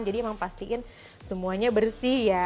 jadi emang pastikan semuanya bersih ya